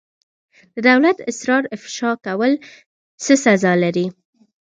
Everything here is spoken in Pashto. د دولت اسرار افشا کول څه سزا لري؟